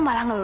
nah aku itu